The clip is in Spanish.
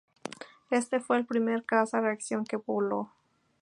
Éste fue el primer caza a reacción que voló.